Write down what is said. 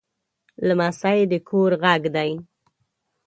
لمسی د کور غږ دی.